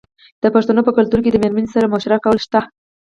د پښتنو په کلتور کې د میرمنې سره مشوره کول شته.